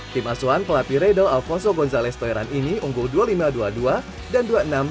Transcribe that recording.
tim asuhan pelapi redo alfonso gonzales toeran ini unggul dua puluh lima dua puluh dua dan dua puluh enam dua puluh empat